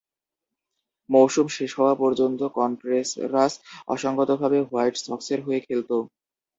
মৌসুম শেষ হওয়া পর্যন্ত কনট্রেরাস অসংগতভাবে হোয়াইট সক্সের হয়ে খেলত।